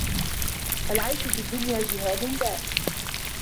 العيش في الدنيا جهاد دائم